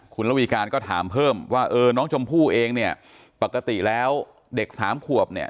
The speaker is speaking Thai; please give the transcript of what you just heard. คุณระวีการก็ถามเพิ่มว่าเออน้องชมพู่เองเนี่ยปกติแล้วเด็กสามขวบเนี่ย